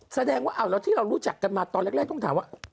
แสดงว่าแล้วที่เรารู้จักกันมาตอนแรกต้องถามว่า